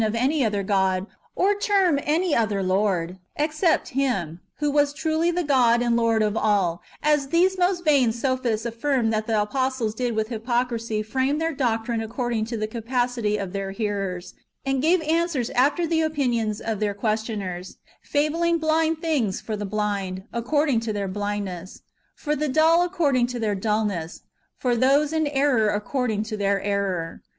267 of any other God, or term any other Lord, except Him, who was truly the God and Lord of all, as these most vain sophists affirm that the apostles did with hypocrisy frame their doctrine according to the capacity of their hearers, and gave answers after the opinions of their questioners, — fabling blind things for the blind, according to their blindness ; for the dull according to their dulness ; for those in error accord ing to their error.